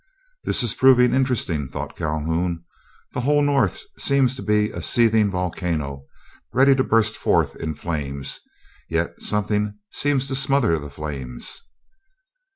"This is proving interesting," thought Calhoun; "the whole North seems to be a seething volcano, ready to burst forth into flames, yet something seems to smother the flames."